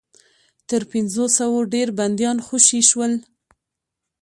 تر پنځوسو ډېر بنديان خوشي شول.